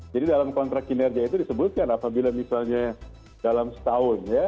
jadi dalam kontrak kinerja itu disebutkan apabila misalnya dalam setahun ya